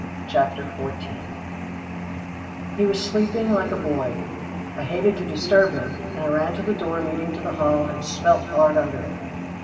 CHAPTER XIV HIS MOTHER'S BOY He was sleeping like a boy. I hated to disturb him, and I ran to the door leading to the hall, and smelt hard under it.